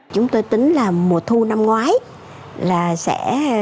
chúng tôi tính là mùa thu năm ngoái là sẽ